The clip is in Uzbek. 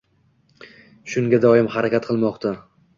Shunga doim harakat qilmoqda.